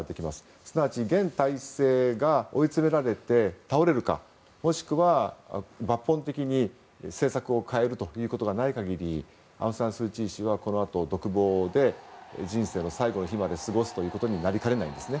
すなわち現体制が追い詰められて倒れるかもしくは抜本的に政策を変えるということがない限りアウン・サン・スー・チー氏はこのあと独房で人生の最後の日まで過ごすということになりかねないんですね。